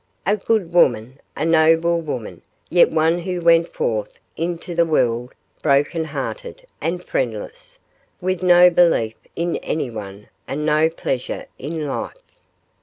A good woman a noble woman, yet one who went forth into the world broken hearted and friendless, with no belief in anyone and no pleasure in life.